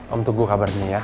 om tunggu kabarnya ya